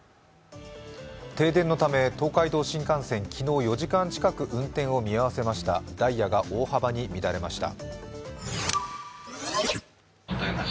停電のため東海道新幹線、昨日４時間近く運転を見合わせましたダイヤが大幅に乱れました。